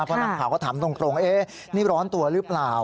เพราะนักข่าวก็ถามตรงนี่ร้อนตัวหรือเปล่า